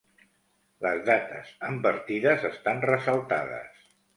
Les dates amb partides estan ressaltades.